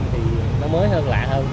thì nó mới hơn lạ hơn